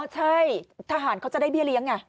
ใช่ทหารเขาจะได้เบี้ยเลี้ยงไง